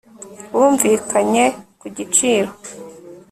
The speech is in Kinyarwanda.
bumvikanye ku giciro